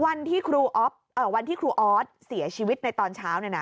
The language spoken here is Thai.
วันที่ครูออฟเกิดเสียชีวิตตอนเช้าเนี่ยนะ